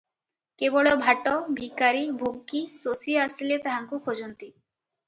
କେବଳ ଭାଟ, ଭିକାରୀ, ଭୋକୀ, ଶୋଷୀ ଆସିଲେ ତାହାଙ୍କୁ ଖୋଜନ୍ତି ।